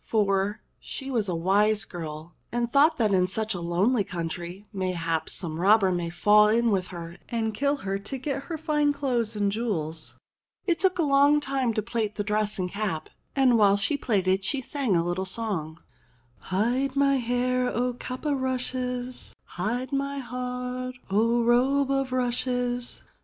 For she was a wise girl, and thought that in such lonely coun try, mayhap, some robber might fall in with her and kill her to get her fine clothes and jewels. It took a long time to plait the dress and cap, and while she plaited she sang a little song : "Hide my hair, O cap o' rushes, Hide my heart, O robe o' rushes.